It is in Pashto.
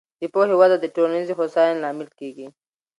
د پوهې وده د ټولنیزې هوساینې لامل کېږي.